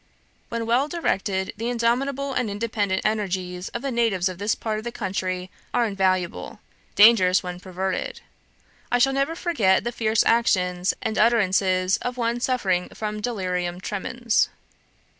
"When well directed, the indomitable and independent energies of the natives of this part of the country are invaluable; dangerous when perverted. I shall never forget the fierce actions and utterances of one suffering from delirium tremens.